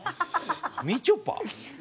みちょぱ？